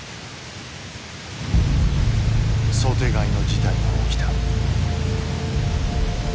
想定外の事態が起きた。